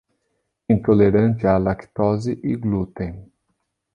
Intolerante à lactose e glúten